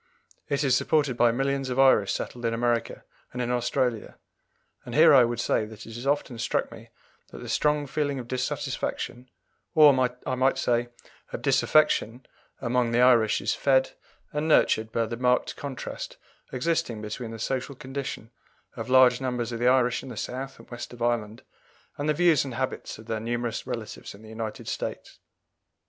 It is supported by millions of Irish settled in America and in Australia; and here I would say that it has often struck me that the strong feeling of dissatisfaction, or, I might say, of disaffection, among the Irish is fed and nurtured by the marked contrast existing between the social condition of large numbers of the Irish in the South and West of Ireland and the views and habits of their numerous relatives in the United States.